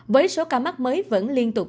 với số ca mắc mới vẫn liên tục